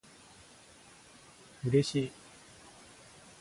嬉しい